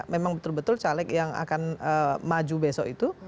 memang betul betul caleg yang akan maju besok itu